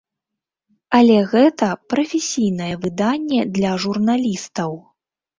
Але гэта прафесійнае выданне для журналістаў.